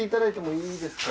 いいですか？